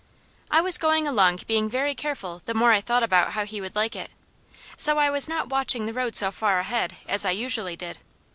I was going along being very careful the more I thought about how he would like it, so I was not watching the road so far ahead as I usually did.